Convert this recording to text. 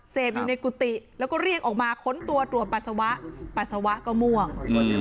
เสพอยู่ในกุฏิแล้วก็เรียกออกมาค้นตัวตรวจปัสสาวะปัสสาวะก็ม่วง